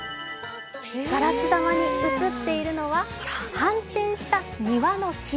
ガラス玉に映っているのは反転した庭の木。